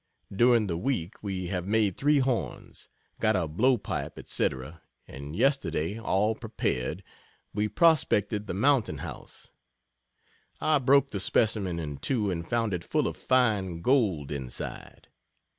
During the week, we have made three horns, got a blow pipe, &c, and yesterday, all prepared, we prospected the "Mountain House." I broke the specimen in two, and found it full of fine gold inside.